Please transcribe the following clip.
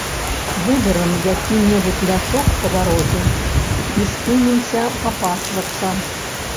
Выберам які-небудзь лясок па дарозе і спынімся папасвацца.